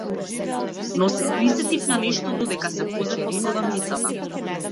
Но се присетив на нешто додека се возев од продавницата.